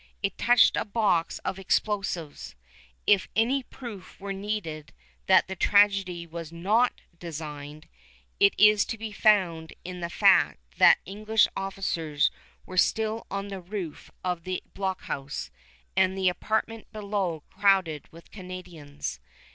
It touched a box of explosives. If any proof were needed that the tragedy was not designed, it is to be found in the fact that English officers were still on the roof of the blockhouse, and the apartment below crowded with Canadians.